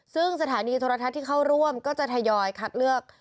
ซึ่งสถานีโทรทัศน์ที่เข้าร่วมก็จะทยอยคัดเลือก